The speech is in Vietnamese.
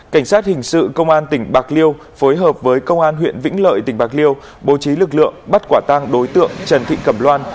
cảnh sát hình sự công an tỉnh bạc liêu phối hợp với công an huyện vĩnh lợi tỉnh bạc liêu bố trí lực lượng bắt quả tăng đối tượng trần thị cẩm loan